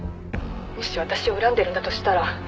「もし私を恨んでるんだとしたら」